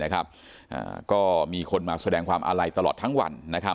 ก็มีคนมาแสดงความอาลัยตลอดทั้งวัน